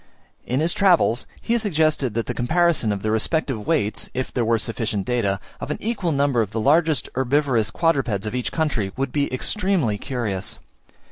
In his Travels, he has suggested that the comparison of the respective weights (if there were sufficient data) of an equal number of the largest herbivorous quadrupeds of each country would be extremely curious.